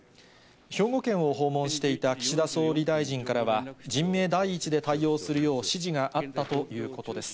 兵庫県を訪問していた岸田総理大臣からは、人命第一で対応するよう指示があったということです。